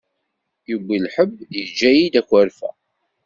Yewwi lḥebb, yeǧǧa-yi-d akerfa.